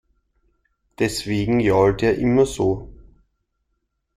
Deswegen jault er immer so.